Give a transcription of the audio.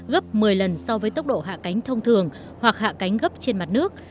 gấp một mươi lần so với tốc độ hạ cánh thông thường hoặc hạ cánh gấp trên mặt nước